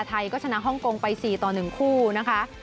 ไทยก็ชนะฮ่องกงไปสี่ต่อหนึ่งคู่นะคะ